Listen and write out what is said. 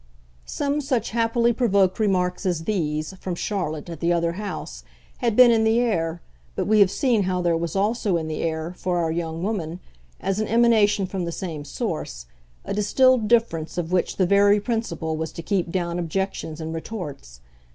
Some such happily provoked remarks as these, from Charlotte, at the other house, had been in the air, but we have seen how there was also in the air, for our young woman, as an emanation from the same source, a distilled difference of which the very principle was to keep down objections and retorts.